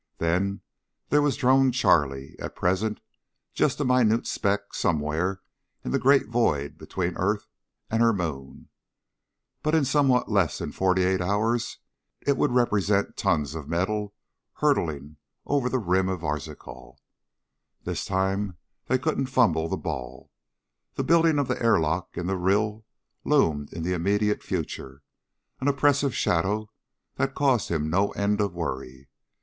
Then there was Drone Charlie, at present just a minute speck somewhere in the great void between earth and her moon; but in somewhat less than forty eight hours it would represent tons of metal hurtling over the rim of Arzachel. This time they couldn't fumble the ball. The building of the airlock in the rill loomed in the immediate future an oppressive shadow that caused him no end of worry.